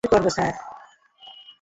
আমি করব, স্যার।